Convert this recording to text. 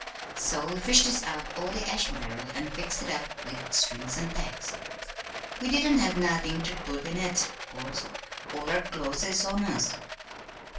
So we fished dis out o' de ash barrel an' fixed it up wid strings an' tacks. We didn't have nothin' ter put in it, 'course. All our clo's is on us."